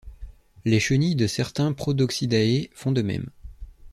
Les chenilles de certains Prodoxidae font de même.